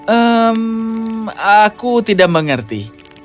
ehm aku tidak mengerti